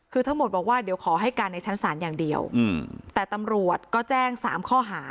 คือทั้งหมดบอกว่าเดี๋ยวขอให้การในชั้นศาลอย่างเดียวแต่ตำรวจก็แจ้งสามข้อหา